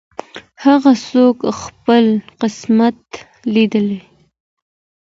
هر څوک خپل قسمت لري.